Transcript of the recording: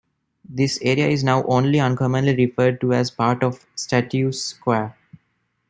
This area is now only uncommonly referred to as part of Statue Square.